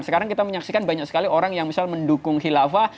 sekarang kita menyaksikan banyak sekali orang yang misal mendukung khilafah